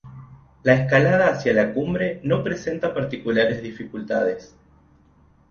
La escalada hacia la cumbre no presenta particulares dificultades.